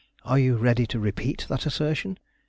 Are you ready to repeat that assertion?"